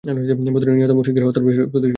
বদরে নিহত মুশরিকদের হত্যার প্রতিশোধ নিবে।